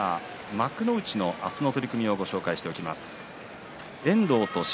幕内の明日の取組をご紹介しておきます。